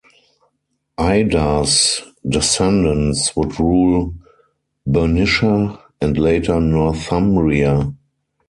Ida's descendants would rule Bernicia and later Northumbria.